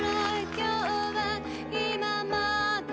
今日は今までの